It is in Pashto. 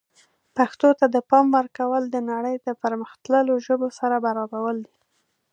پښتو ته د پام ورکول د نړۍ د پرمختللو ژبو سره برابرول دي.